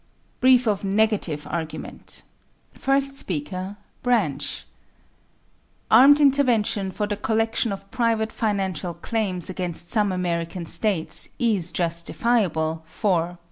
BRIEF OF NEGATIVE ARGUMENT First speaker Branch Armed intervention for the collection of private financial claims against some American States is justifiable, for 1.